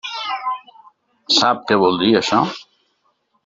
Sap què vol dir això?